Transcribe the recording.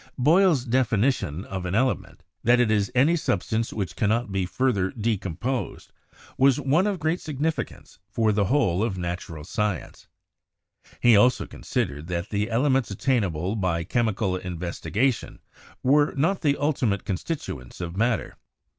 Boyle's definition of an element — that it is any substance which cannot be further decomposed — was one of great significance for the whole of natural science. He also con sidered that the elements attainable by chemical investi gation were not the ultimate constituents of matter.